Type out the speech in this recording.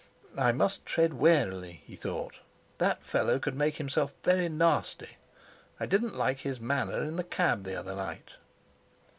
"I must tread warily," he thought; "that fellow could make himself very nasty. I didn't like his manner in the cab the other night."